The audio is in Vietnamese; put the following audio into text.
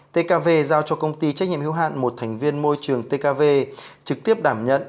tkv giao cho công ty trách nhiệm hiếu hạn một thành viên môi trường tkv trực tiếp đảm nhận